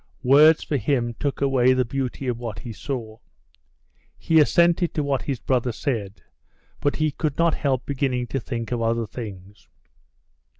Words for him took away the beauty of what he saw. He assented to what his brother said, but he could not help beginning to think of other things.